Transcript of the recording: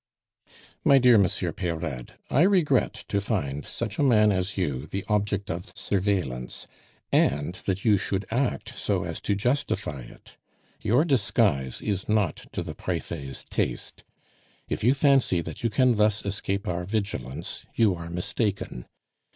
"My dear Monsieur Peyrade, I regret to find such a man as you the object of surveillance, and that you should act so as to justify it. Your disguise is not to the Prefet's taste. If you fancy that you can thus escape our vigilance, you are mistaken.